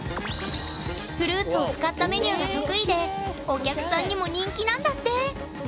フルーツを使ったメニューが得意でお客さんにも人気なんだって！